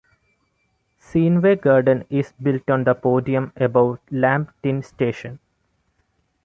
Sceneway Garden is built on the podium above Lam Tin Station.